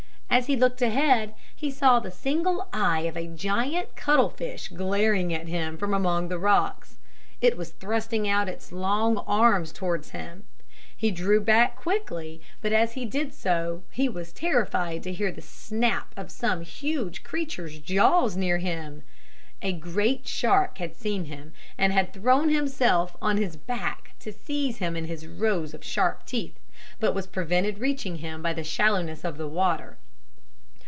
As he looked ahead he saw the single eye of a giant cuttle fish glaring at him from among the rocks. It was thrusting out its long arms towards him. He drew back quickly, but as he did so he was terrified to hear the snap of some huge creature's jaws near him. A great shark had seen him and had thrown himself on his back to seize him in his rows of sharp teeth, but was prevented reaching him by the shallowness of the water.